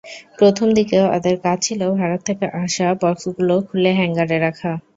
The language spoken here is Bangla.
প্রথম দিকে ওদের কাজ ছিল ভারত থেকে আসা বক্সগুলো খুলে হ্যাংগারে রাখা।